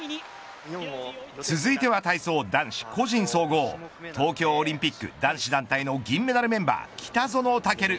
続いては体操男子、個人総合東京オリンピック男子団体の銀メダルメンバー北園丈流。